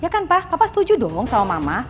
ya kan pak bapak setuju dong sama mama